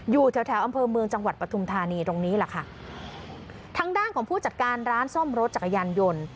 อยู่แถวแถวอำเภอเมืองจังหวัดปฐุมธานีตรงนี้แหละค่ะทางด้านของผู้จัดการร้านซ่อมรถจักรยานยนต์